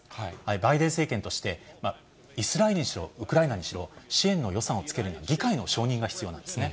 バイデン政権として、イスラエルにしろ、ウクライナにしろ、支援の予算をつけるには、議会の承認が必要なんですね。